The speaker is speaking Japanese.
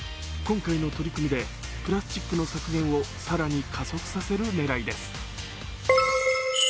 今回の取り組みでプラスチックの削減を更に加速させる狙いです。